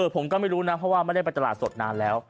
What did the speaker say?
ผมก็ไม่รู้นะเพราะว่าไม่ได้ไปตลาดสดนานแล้ว